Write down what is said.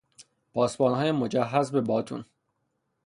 پاسبانهای مجهز به باتون